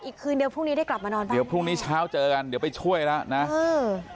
อีกคืนเดียวพรุ่งนี้ได้กลับมานอนบ้านเดี๋ยวพรุ่งนี้เช้าเจอกันเดี๋ยวไปช่วยแล้วนะเออ